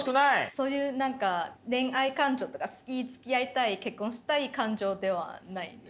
そういう何か恋愛感情とか好きつきあいたい結婚したい感情ではないです。